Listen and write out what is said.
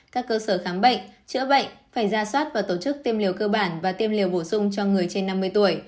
các cơ sở khám bệnh chữa bệnh phải ra soát và tổ chức tiêm liều cơ bản và tiêm liều bổ sung cho người trên năm mươi tuổi